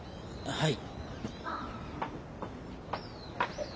はい。